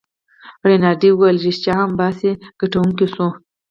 رینالډي وویل: ريښتیا هم، باسي ګټونکی شو.